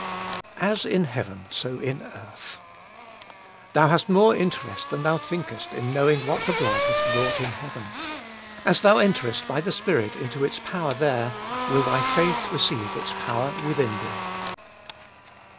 7. "As in heaven so in earth." Thou hast more interest than thou thinhest In knowing what the blood hath wrought in heaven. As thou enterest by the Spirit into its power there, will thy faith receiue its power within thee.